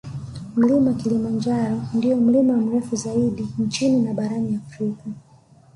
Mlima Kilimanjaro ndiyo mlima mrefu zaidi nchini na barani Afrika